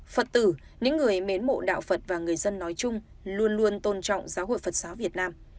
phật tử những người mến mộ đạo phật và người dân nói chung luôn luôn tôn trọng giáo hội phật giáo việt nam